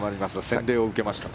洗礼を受けました。